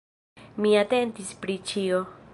Mi atentis pri ĉio.